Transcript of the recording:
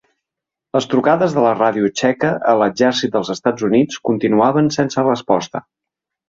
Les trucades de la ràdio txeca a l'exèrcit dels Estats Units continuaven sense resposta.